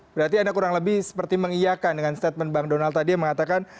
berarti anda kurang lebih seperti mengiakan dengan statement bang donald tadi yang mengatakan